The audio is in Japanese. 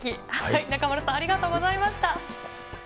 中丸さん、ありがとうございました。